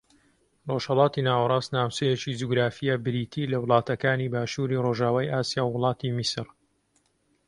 ڕۆژھەڵاتی ناوەڕاست ناوچەیەکی جوگرافییە بریتی لە وڵاتەکانی باشووری ڕۆژاوای ئاسیا و وڵاتی میسر